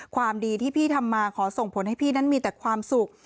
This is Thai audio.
ความดีที่พี่ทำมาขอส่งผลให้พี่นั้นมีแต่ความสุข